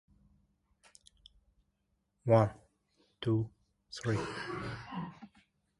The snout is long and low, like that of chasmosaurines.